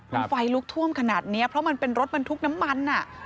มันไฟลุกท่วมขนาดนี้เพราะมันเป็นรถบรรทุกน้ำมันอ่ะ